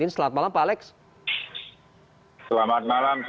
selamat malam salam sehat